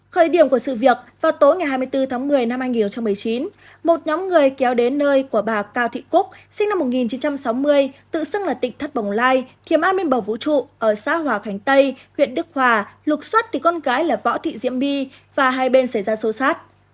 khởi điểm của sự việc vào tối ngày hai mươi bốn tháng một mươi năm hai nghìn một mươi chín một nhóm người kéo đến nơi của bà cao thị cúc sinh năm một nghìn chín trăm sáu mươi tự xưng là tịnh thắt bồng lai thiểm an minh bầu vũ trụ ở xã hòa khánh tây huyện đức hòa lục xuất thì con gái là võ thị diễm bi và hai bên xảy ra xô xát